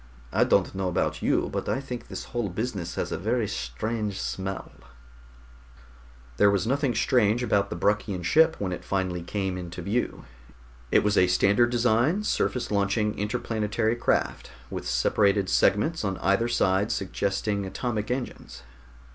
"I don't know about you, but I think this whole business has a very strange smell." There was nothing strange about the Bruckian ship when it finally came into view. It was a standard design, surface launching interplanetary craft, with separated segments on either side suggesting atomic engines.